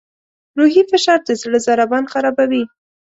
روحي فشار د زړه ضربان خرابوي.